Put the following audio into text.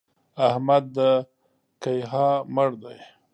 احمد د کيها مړ دی!